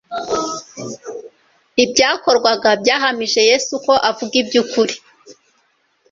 Ibyakorwaga byahamije Yesu ko avuga iby'ukuri.